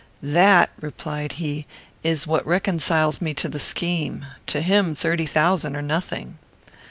"That," replied he, "is what reconciles me to the scheme. To him thirty thousand are nothing."